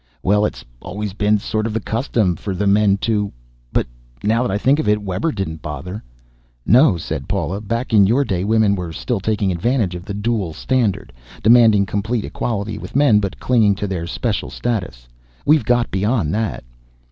"Well, it's always been sort of the custom for the men to But now that I think of it, Webber didn't bother." "No," said Paula. "Back in your day women were still taking advantage of the dual standard demanding complete equality with men but clinging to their special status. We've got beyond that."